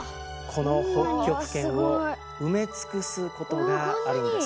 この北極圏を埋め尽くすことがあるんです。